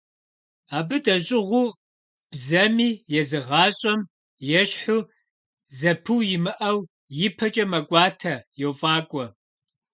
Абы дэщӀыгъу бзэми езы гъащӀэм ещхьу зэпыу имыӀэу ипэкӀэ мэкӀуатэ, йофӀакӀуэ.